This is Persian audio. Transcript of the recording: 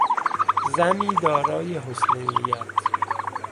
زنی دارای حسن نیت